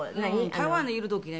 台湾にいる時ね